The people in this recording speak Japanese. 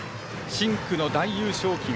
深紅の大優勝旗